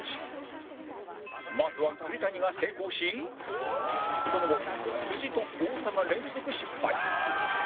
まずは栗谷が成功しその後と太田が連続失敗